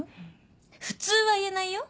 普通は言えないよ。